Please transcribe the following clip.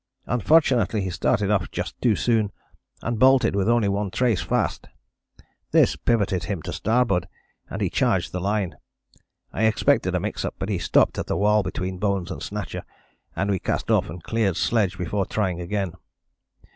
Unfortunately he started off just too soon, and bolted with only one trace fast. This pivoted him to starboard, and he charged the line. I expected a mix up, but he stopped at the wall between Bones and Snatcher, and we cast off and cleared sledge before trying again.